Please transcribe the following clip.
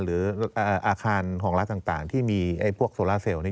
หรืออาคารของรัฐต่างที่มีพวกโซลาเซลล์